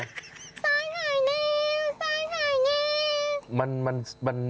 ซ้อยขายเนมซ้อยขายเนม